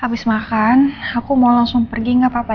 habis makan aku mau langsung pergi gak apa apa